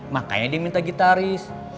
makanya dia minta gitaris